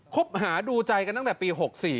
คบหาดูใจกันตั้งแต่ปี๖๔